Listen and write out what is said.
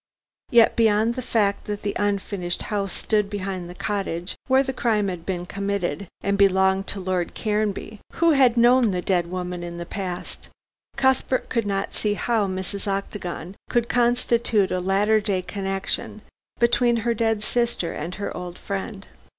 Yet, beyond the fact that the unfinished house stood behind the cottage where the crime had been committed and belonged to Lord Caranby who had known the dead woman in the past, Cuthbert could not see how Mrs. Octagon could constitute a latter day connection between her dead sister and her old friend.